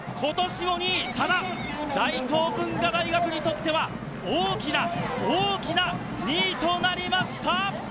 ただ、大東文化大学にとっては大きな大きな２位となりました。